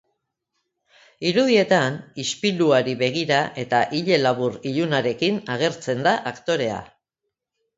Irudietan, ispiluari begira eta ile labur ilunarekin agertzen da aktorea.